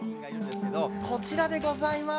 こちらでございます。